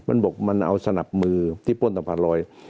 มันบอกมันเอาสนับมือที่ป้นสะพานลอย